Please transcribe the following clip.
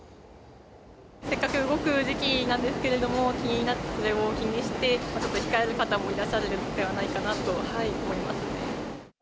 せっかく動く時期なんですけれども、気になって、それを気にして、控える方もいらっしゃるんではないかなと思いますね。